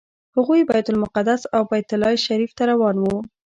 هغوی بیت المقدس او بیت الله شریف ته روان وو.